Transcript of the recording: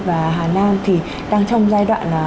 và hà nam thì đang trong giai đoạn